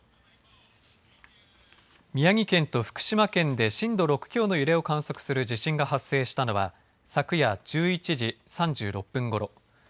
宮城県と福島県で震度６強の揺れを観測する地震が発生したのは昨夜１１時３６分ごろ。